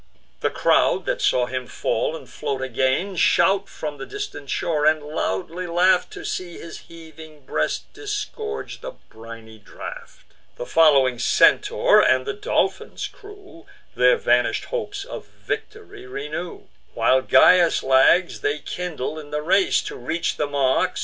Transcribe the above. The crowd, that saw him fall and float again, Shout from the distant shore; and loudly laugh'd, To see his heaving breast disgorge the briny draught. The following Centaur, and the Dolphin's crew, Their vanish'd hopes of victory renew; While Gyas lags, they kindle in the race, To reach the mark.